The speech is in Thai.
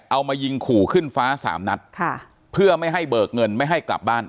เอามายิงขู่ขึ้นฟ้าสามนัดค่ะเพื่อไม่ให้เบิกเงินไม่ให้กลับบ้าน